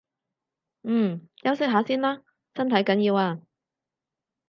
嗯，休息下先啦，身體緊要啊